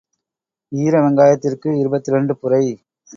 ஈர வெங்காயத்திற்கு இருபத்திரண்டு புரை.